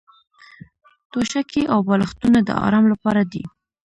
توشکې او بالښتونه د ارام لپاره دي.